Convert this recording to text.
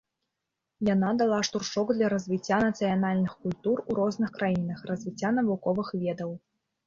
Яна дала штуршок для развіцця нацыянальных культур у розных краінах, развіцця навуковых ведаў.